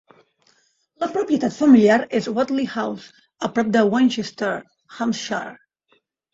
La propietat familiar és Watley House, a prop de Winchester, Hampshire.